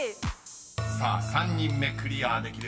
［さあ３人目クリアできるか？